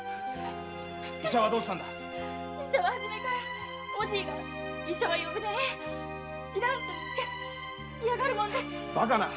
医者はどうしたんだ医者は初めからおじいが「医者は呼ぶでねぇ要らん」と嫌がるもんだから。